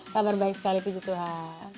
kabar baik sekali puji tuhan